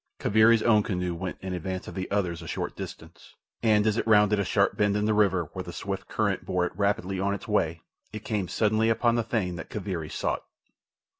Kaviri's own canoe went in advance of the others a short distance, and as it rounded a sharp bend in the river where the swift current bore it rapidly on its way it came suddenly upon the thing that Kaviri sought.